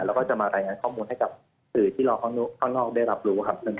แล้วก็จะมารายงานข้อมูลให้กับสื่อที่รอข้างนอกได้รับรู้ครับ